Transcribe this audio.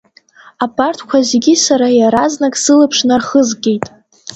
Абарҭқәа зегьы сара иаразнак сылаԥш нархызгеит.